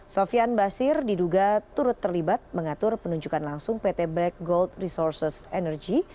sofian basir diduga turut terlibat mengatur penunjukan langsung pt black gold resources energy